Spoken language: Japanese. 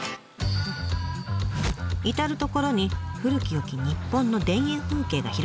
至る所に古きよき日本の田園風景が広がっています。